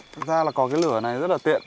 thực ra là có cái lửa này rất là tiện